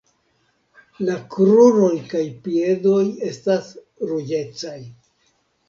La kruroj kaj piedoj estas ruĝecaj.